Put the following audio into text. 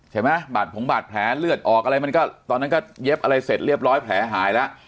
ใช่ไหมบาดผงบาดแผลเลือดออกอะไรมันก็ตอนนั้นก็เย็บอะไรเสร็จเรียบร้อยแผลหายแล้ว